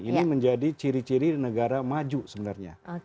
ini menjadi ciri ciri negara maju sebenarnya